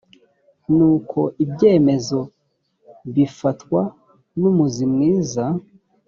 n uko ibyemezo bifatwa numuzi mwiza